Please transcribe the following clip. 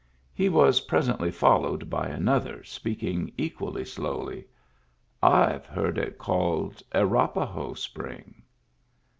He was presently followed by another, speaking equally slowly: "I've heard it called Arapaho Spring."